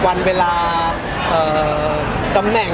ไม่ได้เจอในคุณหรอก